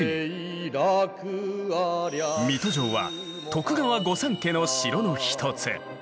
水戸城は徳川御三家の城の一つ。